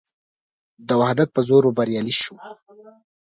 د وحدت په زور به بریالي شو.